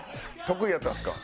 得意やったんすか？